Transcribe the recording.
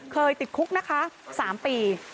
ติดคุกนะคะ๓ปี